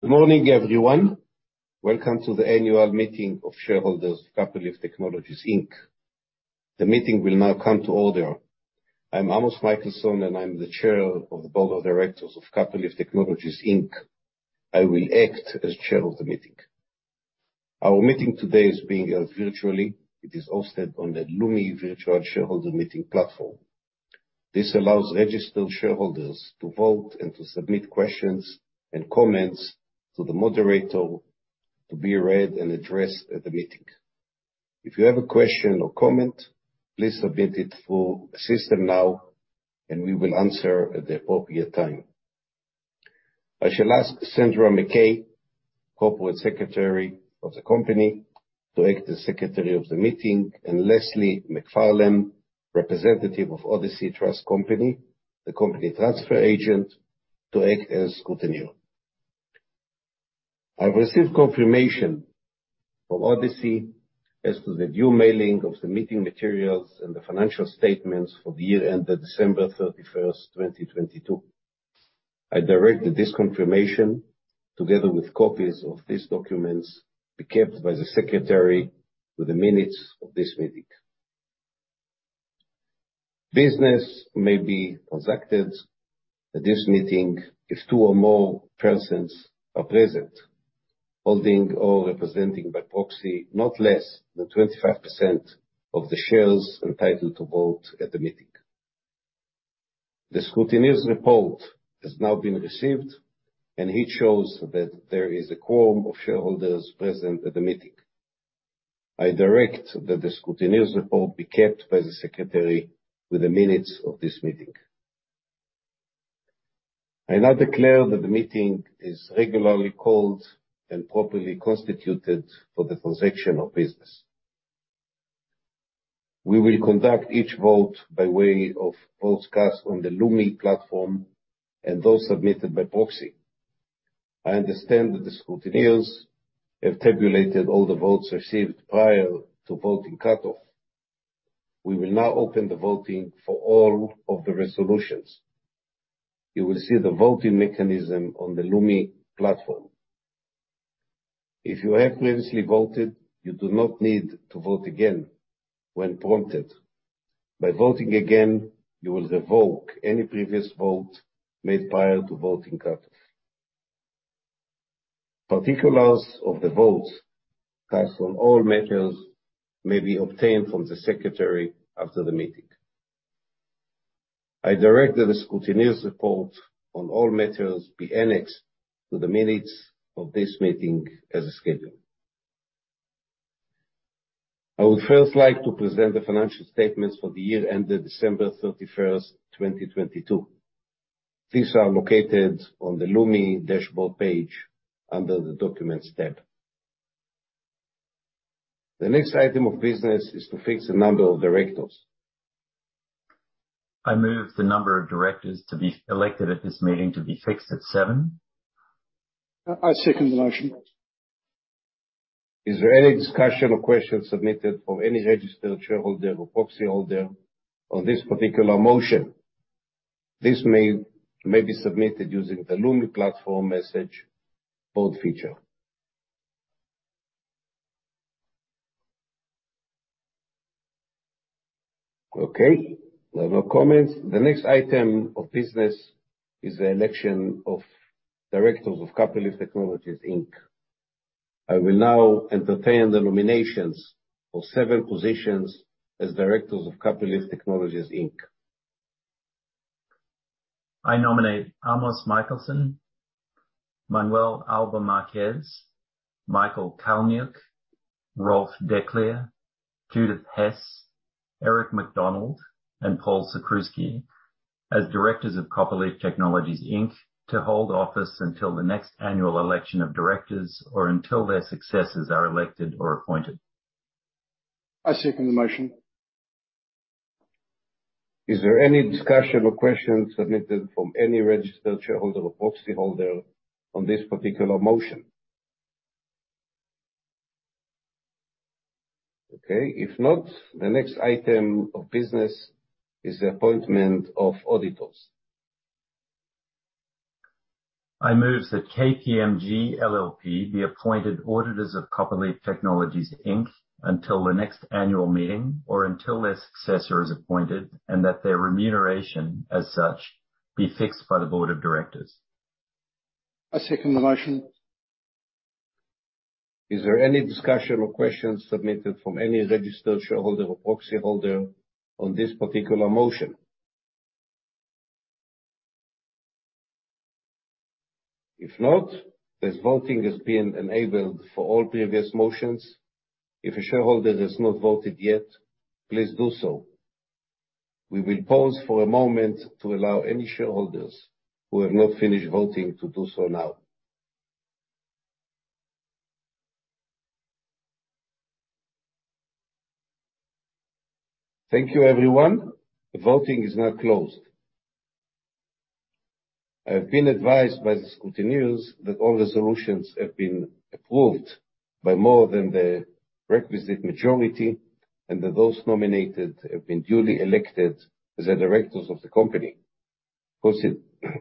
Good morning, everyone. Welcome to the Annual Meeting of Shareholders, Copperleaf Technologies, Inc. The meeting will now come to order. I'm Amos Michelson, and I'm the chair of the board of directors of Copperleaf Technologies, Inc. I will act as chair of the meeting. Our meeting today is being held virtually. It is hosted on the Lumi Virtual Shareholder Meeting platform. This allows registered shareholders to vote and to submit questions and comments to the moderator, to be read and addressed at the meeting. If you have a question or comment, please submit it through the system now, and we will answer at the appropriate time. I shall ask Sandra MacKay, Corporate Secretary of the company, to act as secretary of the meeting, and Leslie MacFarlane, representative of Odyssey Trust Company, the company transfer agent, to act as scrutineer. I've received confirmation from Odyssey as to the due mailing of the meeting materials and the financial statements for the year ended December 31st, 2022. I direct that this confirmation, together with copies of these documents, be kept by the secretary with the minutes of this meeting. Business may be transacted at this meeting if two or more persons are present, holding or representing by proxy, not less than 25% of the shares entitled to vote at the meeting. The scrutineer's report has now been received, and it shows that there is a quorum of shareholders present at the meeting. I direct that the scrutineer's report be kept by the secretary with the minutes of this meeting. I now declare that the meeting is regularly called and properly constituted for the transaction of business. We will conduct each vote by way of votes cast on the Lumi platform and those submitted by proxy. I understand that the scrutineers have tabulated all the votes received prior to voting cutoff. We will now open the voting for all of the resolutions. You will see the voting mechanism on the Lumi platform. If you have previously voted, you do not need to vote again when prompted. By voting again, you will revoke any previous vote made prior to voting cutoff. Particulars of the votes cast on all matters may be obtained from the secretary after the meeting. I direct that the scrutineer's report on all matters be annexed to the minutes of this meeting as scheduled. I would first like to present the financial statements for the year ended December 31st, 2022. These are located on the Lumi dashboard page under the Documents tab. The next item of business is to fix the number of directors. I move the number of directors to be elected at this meeting to be fixed at seven. I second the motion. Is there any discussion or questions submitted from any registered shareholder or proxyholder on this particular motion? This may be submitted using the Lumi platform message board feature. Okay, there are no comments. The next item of business is the election of directors of Copperleaf Technologies, Inc. I will now entertain the nominations for seven positions as directors of Copperleaf Technologies, Inc. I nominate Amos Michelson, Manuel Alba-Marquez, Michael Calyniuk, Rolf Dekleer, Judi Hess, Eric MacDonald, and Paul Sakrzewski as directors of Copperleaf Technologies, Inc., to hold office until the next annual election of directors or until their successors are elected or appointed. I second the motion. Is there any discussion or questions submitted from any registered shareholder or proxyholder on this particular motion? Okay, if not, the next item of business is the appointment of auditors. I move that KPMG LLP be appointed auditors of Copperleaf Technologies, Inc. until the next annual meeting or until their successor is appointed, and that their remuneration as such be fixed by the board of directors. I second the motion. Is there any discussion or questions submitted from any registered shareholder or proxyholder on this particular motion? If not, this voting has been enabled for all previous motions. If a shareholder has not voted yet, please do so. We will pause for a moment to allow any shareholders who have not finished voting to do so now. Thank you, everyone. The voting is now closed. I have been advised by the scrutineers that all the resolutions have been approved by more than the requisite majority, and that those nominated have been duly elected as the directors of the company.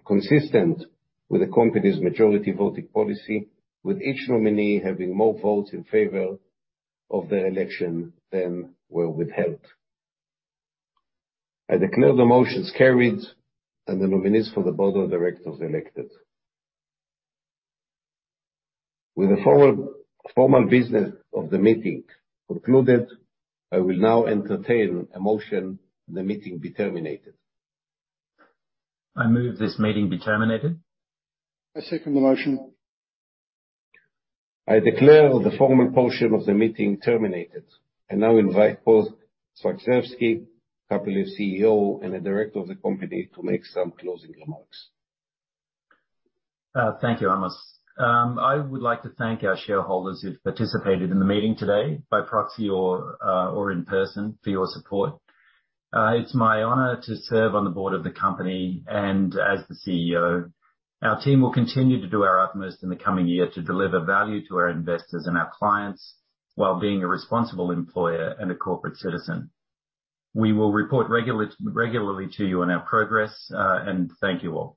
Consistent with the company's majority voting policy, with each nominee having more votes in favor of their election than were withheld. I declare the motions carried, and the nominees for the board of directors elected. With the forward, formal business of the meeting concluded, I will now entertain a motion the meeting be terminated. I move this meeting be terminated. I second the motion. I declare the formal portion of the meeting terminated, and now invite Paul Sakrzewski, Copperleaf CEO, and a director of the company, to make some closing remarks. Thank you, Amos. I would like to thank our shareholders who've participated in the meeting today, by proxy or in person, for your support. It's my honor to serve on the board of the company and as the CEO. Our team will continue to do our utmost in the coming year to deliver value to our investors and our clients, while being a responsible employer and a corporate citizen. We will report regularly to you on our progress. Thank you all.